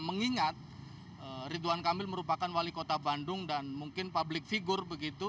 mengingat ridwan kamil merupakan wali kota bandung dan mungkin public figure begitu